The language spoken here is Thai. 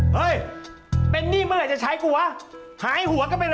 เฮ้ยเป็นหนี้เมื่อไหร่จะใช้กูวะหายหัวกลับไปเลย